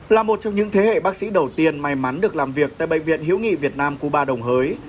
là một trong những thế hệ bác sĩ đầu tiên may mắn được làm việc tại bệnh viện hữu nghị việt nam cuba đồng hới